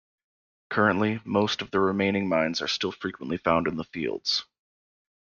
Currently, most of the remaining mines are still frequently found in the fields.